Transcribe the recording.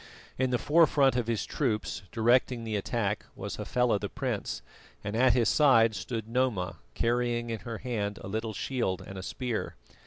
In the forefront of his troops, directing the attack, was Hafela the prince, and at his side stood Noma, carrying in her hand a little shield and a spear.